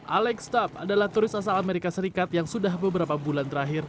alex top adalah turis asal amerika serikat yang sudah beberapa bulan terakhir